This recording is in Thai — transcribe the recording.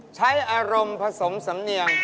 ใช้อารมณ์ผสมสำเนียง